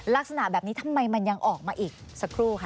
ลักษณะแบบนี้ทำไมมันยังออกมาอีกสักครู่ค่ะ